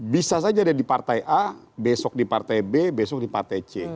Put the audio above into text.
bisa saja ada di partai a besok di partai b besok di partai c